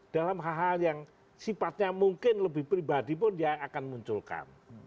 dalam hal hal yang sifatnya mungkin lebih pribadi pun dia akan munculkan